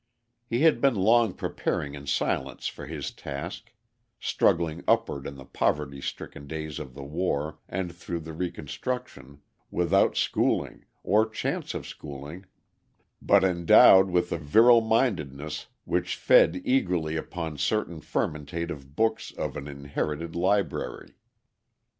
He had been long preparing in silence for his task struggling upward in the poverty stricken days of the war and through the Reconstruction, without schooling, or chance of schooling, but endowed with a virile mindedness which fed eagerly upon certain fermentative books of an inherited library.